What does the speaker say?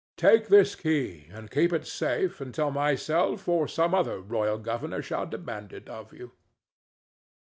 Take this key, and keep it safe until myself or some other royal governor shall demand it of you."